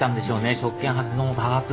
職権発動の多発。